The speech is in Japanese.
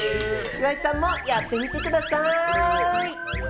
岩井さんもやってみてください！